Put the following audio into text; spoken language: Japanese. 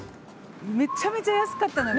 めちゃめちゃ安かったのよ。